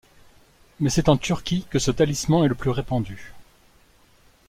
Mais c’est en Turquie que ce talisman est le plus répandu.